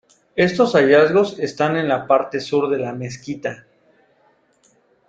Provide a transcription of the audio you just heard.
Estos hallazgos están en la parte sur de la mezquita.